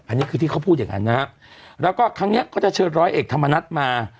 อันนี้คือที่เขาพูดอย่างนั้นนะฮะแล้วก็ครั้งเนี้ยก็จะเชิญร้อยเอกธรรมนัฐมา